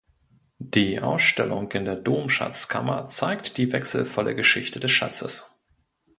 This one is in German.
Die Ausstellung in der Domschatzkammer zeigt die wechselvolle Geschichte des Schatzes.